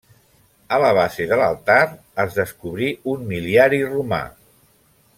A la base de l'altar es descobrí un mil·liari romà.